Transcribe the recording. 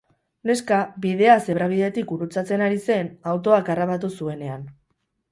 Neska bidea zebrabidetik gurutzatzen ari zen autoak harrapatu zuenean.